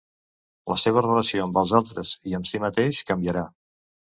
La seva relació amb els altres i amb si mateix canviarà.